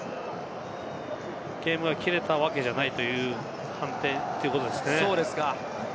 ゲームが切れたわけではないという判定ということですね。